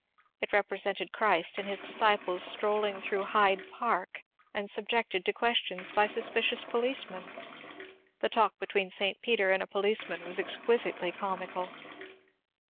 It represented Christ and his disciples strolling through Hyde Park and subjected to questions by suspicious policemen. The talk between St. Peter and a policeman was exquisitely comical.